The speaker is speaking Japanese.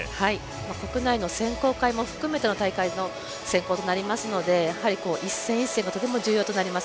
国内の選考会も含めての選考会になりますのでやはり一戦一戦がとても重要となります。